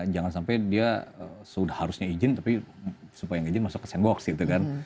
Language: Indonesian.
jangan sampai dia sudah harusnya izin tapi supaya nggak izin masuk ke sandbox gitu kan